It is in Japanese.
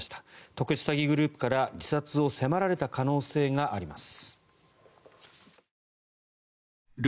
特殊詐欺グループから自殺を迫られた可能性があります。